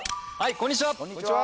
こんにちはー！